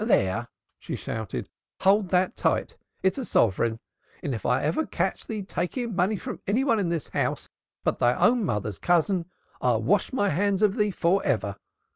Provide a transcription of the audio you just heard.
"There!" she shouted. "Hold that tight! It is a sovereign. And if ever I catch thee taking money from any one in this house but thy mother's own cousin, I'll wash my hands of thee for ever.